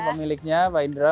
amen amen ya